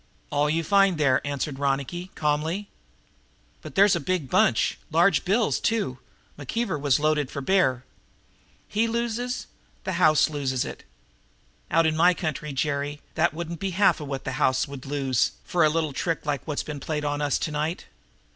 "All you find there," answered Ronicky calmly. "But there's a big bunch large bills, too. McKeever was loaded for bear." "He loses the house loses it. Out in my country, Jerry, that wouldn't be half of what the house would lose for a little trick like what's been played on us tonight.